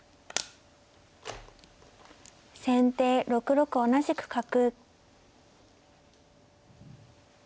先手６六同じく角。